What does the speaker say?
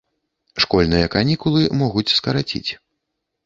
Школьныя канікулы могуць скараціць.